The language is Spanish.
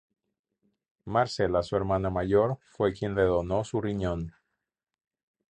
Marcela su hermana mayor, fue quien le dono su riñón.